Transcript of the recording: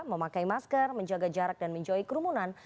memakai masker menjaga jarak dan menjauhi kerumunan